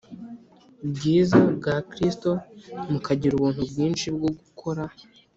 bwiza bwa Kristo mukagira ubuntu bwinshi bwo gukora